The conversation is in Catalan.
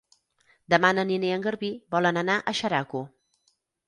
Demà na Nina i en Garbí volen anar a Xeraco.